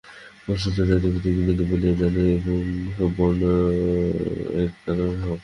পাশ্চাত্যেরা জাতিভেদ ঘৃণিত বলিয়া জানে, অতএব সর্ব বর্ণ একাকার হও।